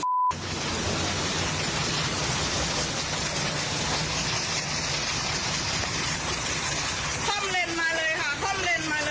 คล่อมเลนส์มาเลยค่ะคล่อมเลนส์มาเลย